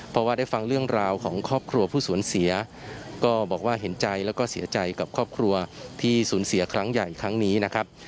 เพราะว่าได้ฟังเรื่องราวของครอบครัวผู้สูญเสียก็บอกว่าเห็นใจแล้วก็เสียใจกับครอบครัวที่สูญเสียครั้งใหญ่ครั้งนี้นะครับ